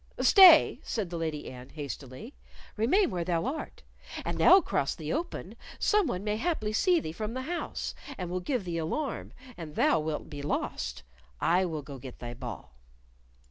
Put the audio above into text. "Stay!" said the Lady Anne, hastily; "remain where thou art. An thou cross the open, some one may haply see thee from the house, and will give the alarm, and thou wilt be lost. I will go get thy ball."